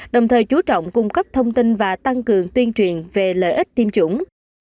đồng thời chú trọng cung cấp thông tin và tăng cường tuyên truyền về lợi ích tiêm chủng